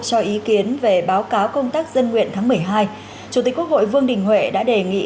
cho ý kiến về báo cáo công tác dân nguyện tháng một mươi hai chủ tịch quốc hội vương đình huệ đã đề nghị